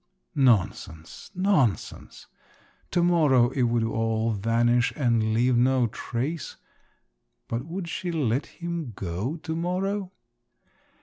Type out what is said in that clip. Nonsense! nonsense! to morrow it would all vanish and leave no trace…. But would she let him go to morrow?